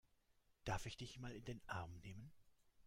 Darf ich dich mal in den Arm nehmen?